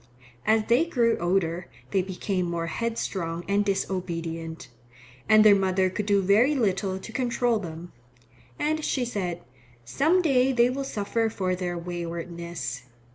As they grew older they became more headstrong and disobedient, and their mother could do very little to control them. And she said, "Some day they will suffer for their waywardness."